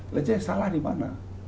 lajar yang salah di mana